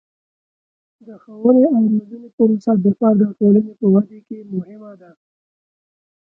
د ښوونې او روزنې پروسه د فرد او ټولنې په ودې کې مهمه ده.